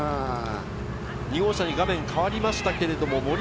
２号車に画面が変わりました。